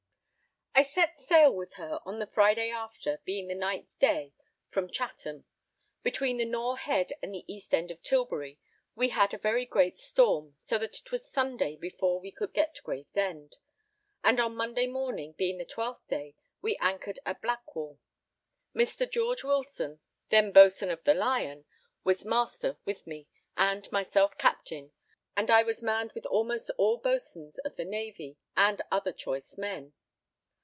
I set sail with her on the Friday after, being the 9th day, from Chatham. Between the Nore head and the east end of Tilbury we had a very great storm, so that it was Sunday before we could get Gravesend; and on Monday morning, being the 12th day, we anchored at Blackwall. Mr. George Wilson, then boatswain of the Lion, was master with me, and myself captain, and I was manned with almost all boatswains of the Navy and other choice men.